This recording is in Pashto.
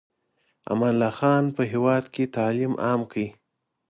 امان الله خان په هېواد کې تعلیم عام کړ.